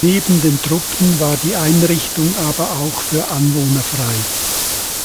Neben den Truppen war die Einrichtung aber auch für Anwohner frei.